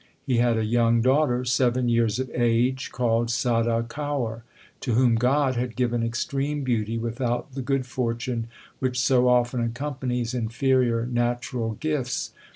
He had a young daughter seven years of age called Sada Kaur, to whom God had given extreme beauty without the good fortune which so often accompanies inferior natural gifts.